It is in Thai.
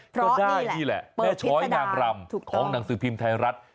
ก็ได้นี่แหละแม่ช้อยนางรำของหนังสือพิมพ์ไทยรัฐ